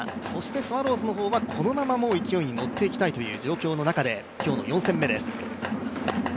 スワローズの方はこのまま勢いに乗っていきたいという状況の中で今日の４戦目です。